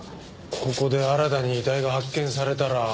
ここで新たに遺体が発見されたら。